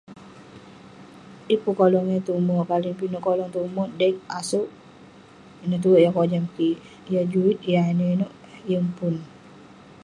Yeng pun kolong yah tong umek, paling pinek kolong tong umek deq, aseuk, ineh tuek yah kojam kik. Yah juit, yah ineuk-ineuk yeng pun.